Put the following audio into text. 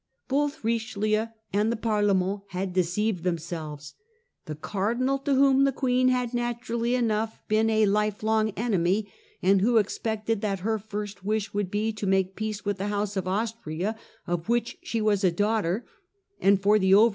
Both Richelieu and the Parleme?it had deceived themselves. The Cardinal, to whom the Queen had naturally enough been a life long enemy, and who expected that her first wish would be The Queen t0 ma ^ e P eace house of Austria, of regent made which she was a daughter, and for the over supreme.